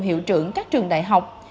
hiệu trưởng các trường đại học